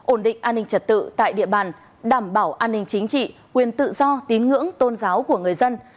ổn định an ninh trật tự tại địa bàn đảm bảo an ninh chính trị quyền tự do tín ngưỡng tôn giáo của người dân